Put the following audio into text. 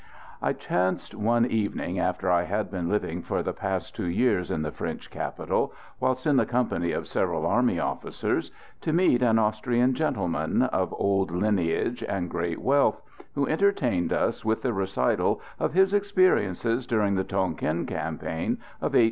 I chanced one evening, after I had been living for the past two years in the French capital, whilst in the company of several army officers, to meet an Austrian gentleman, of old lineage and great wealth, who entertained us with the recital of his experiences during the Tonquin campaign of 1883 85.